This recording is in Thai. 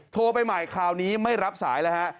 โทรไปใหม่คราวนี้ไม่รับสายแล้วฮะ